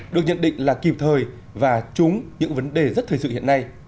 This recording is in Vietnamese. được nhận định là kịp thời và trúng những vấn đề rất thời sự hiện nay